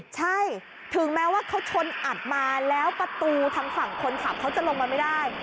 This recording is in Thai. ใช่ถึงแม้ว่าเขาชนอัดมาแล้วประตูทางฝั่งคนขับเขาจะลงมาไม่ได้